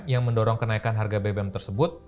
yang mendorong kenaikan harga bbm tersebut